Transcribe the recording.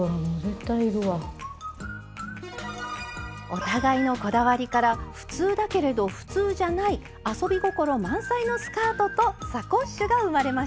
お互いのこだわりから普通だけれど普通じゃない遊び心満載のスカートとサコッシュが生まれました。